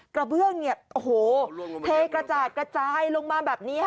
กระเบื้องโอ้โหเทกระจายลงมาแบบนี้